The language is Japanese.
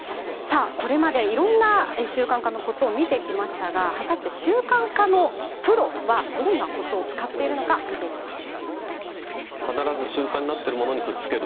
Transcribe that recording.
これまでいろいろな習慣化のコツを見てきましたが、果たして習慣化のプロはどんなコツを使っているのか見ていきます。